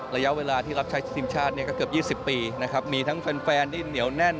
ระยะเวลาที่รับใช้ทีมชาติเนี่ยก็เกือบ๒๐ปีนะครับมีทั้งแฟนที่เหนียวแน่น